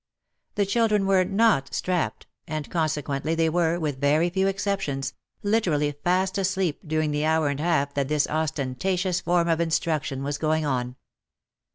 The children were not strapped, and consequently they were, with very few exceptions, literally fast asleep during the hour and half that this ostentatious form of instruction was going on.